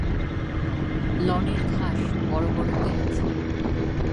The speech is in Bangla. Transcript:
লনের ঘাস বড়-বড় হয়ে আছে।